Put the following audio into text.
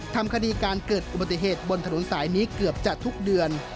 ทำคดีการเกิดอุบัติเหตุบนถนนสายนี้เกือบจะทุกเดือน